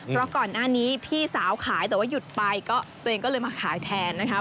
เพราะก่อนหน้านี้พี่สาวขายแต่ว่าหยุดไปก็ตัวเองก็เลยมาขายแทนนะครับ